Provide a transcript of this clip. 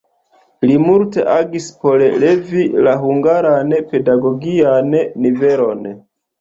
Li multe agis por levi la hungaran pedagogian nivelon.